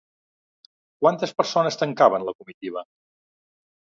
Quantes persones tancaven la comitiva?